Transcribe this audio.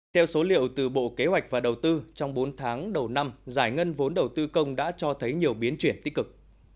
theo số liệu từ bộ kế hoạch và đầu tư trong bốn tháng đầu năm giải ngân vốn đầu tư công đã cho thấy nhiều biến chuyển tích cực